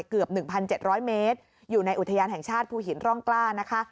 เกือบ๑๗๐๐เมตรอยู่ในอุทยานแห่งชาติภูหินร่องกล้านะคะ